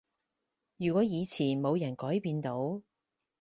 如果以前冇人改變到